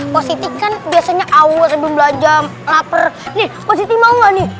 posisi kan biasanya awas belum belanja lapar nih posisi mau nggak nih